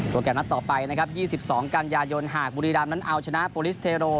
แกรมนัดต่อไปนะครับ๒๒กันยายนหากบุรีรามนั้นเอาชนะโปรลิสเทโร